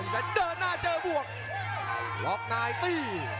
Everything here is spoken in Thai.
แต่เดินหน้าเจอบวกล็อกนายตี้